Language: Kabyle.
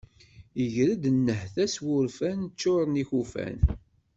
Iger-d nnehta s wurfan, ččuṛen ikufan.